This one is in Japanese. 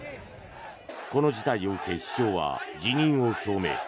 この事態を受け首相は辞任を表明。